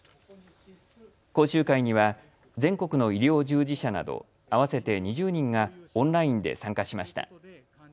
講習会には全国の医療従事者など合わせて２０人がオンラインで参加しました。